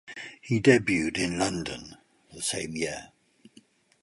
He debuted in London the same year.